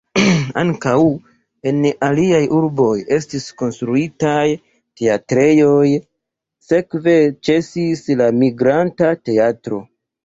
Ankaŭ en aliaj urboj estis konstruitaj teatrejoj, sekve ĉesis la migranta teatro.